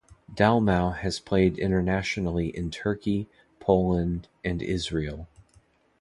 Dalmau has played internationally in Turkey, Poland, and Israel.